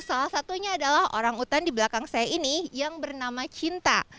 salah satunya adalah orang utan di belakang saya ini yang bernama cinta